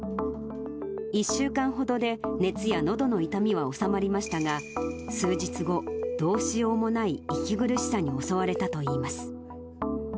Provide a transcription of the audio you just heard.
１週間ほどで熱やのどの痛みは治まりましたが、数日後、どうしようもない息苦しさに襲われたといいます。